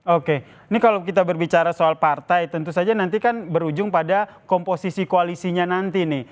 oke ini kalau kita berbicara soal partai tentu saja nanti kan berujung pada komposisi koalisinya nanti nih